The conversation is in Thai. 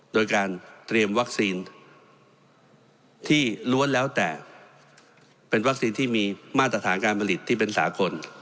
โดยการเตรียมวัคซีนที่ล้วนแล้วแต่เป็นวัคซีนที่มีมาตรฐานการผลิตที่เป็นสากล